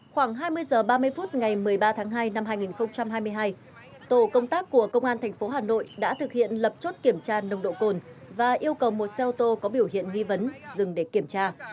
khoảng hai mươi h ba mươi phút ngày một mươi ba tháng hai năm hai nghìn hai mươi hai tổ công tác của công an tp hà nội đã thực hiện lập chốt kiểm tra nồng độ cồn và yêu cầu một xe ô tô có biểu hiện nghi vấn dừng để kiểm tra